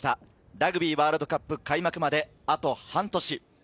ラグビーワールドカップ開幕まであと半年。